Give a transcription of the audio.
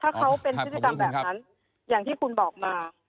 ถ้าเขาเป็นพฤติกรรมแบบนั้นอย่างที่คุณบอกมา